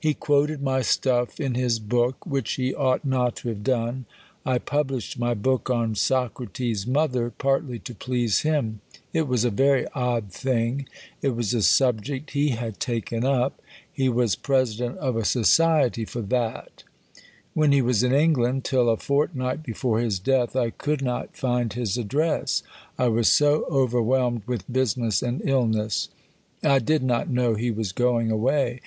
He quoted my "Stuff" in his book, which he ought not to have done. I published my book on Socrates' mother partly to please him. It was a very odd thing: it was a subject he had taken up: he was President of a Society for that. When he was in England (till a fortnight before his death) I could not find his address: I was so overwhelmed with business and illness. I did not know he was going away.